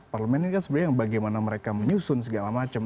parlemen ini kan sebenarnya bagaimana mereka menyusun segala macam